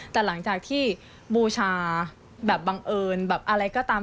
แต่หลังจากที่บูชาแบบบังเอิญแบบอะไรก็ตาม